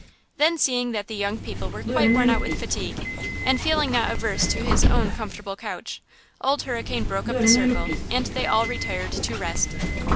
Then seeing that the young people were quite worn out with fatigue, and feeling not averse to his own comfortable couch, Old Hurricane broke up the circle and they all retired to rest.